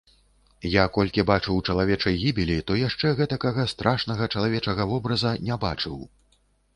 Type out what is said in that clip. Я колькі бачыў чалавечай гібелі, то яшчэ гэтакага страшнага чалавечага вобраза не бачыў.